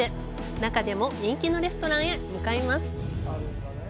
中でも人気のレストランへ向かいます。